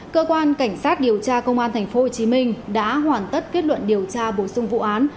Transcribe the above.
cơ quan cảnh sát điều tra công an tp hcm đã hoàn tất kết luận điều tra bổ sung vụ án